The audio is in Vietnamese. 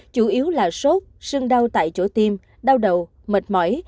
chủ yếu là sốt sương đau tại chỗ tiêm đau đầu mệt mỏi